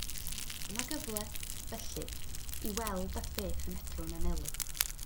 Dyma gyfle, felly, i weld at beth y medrwn anelu.